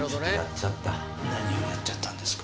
何をやっちゃったんですか？